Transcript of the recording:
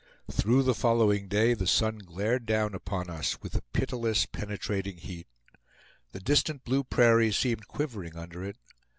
Through the following day the sun glared down upon us with a pitiless, penetrating heat. The distant blue prairie seemed quivering under it.